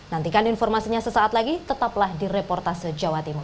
nantikan informasinya sesaat lagi tetaplah di reportase jawa timur